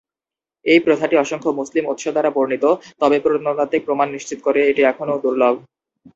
এই প্রথাটি অসংখ্য মুসলিম উৎস দ্বারা বর্ণিত; তবে প্রত্নতাত্ত্বিক প্রমাণ নিশ্চিত করে এটি এখনও দুর্লভ।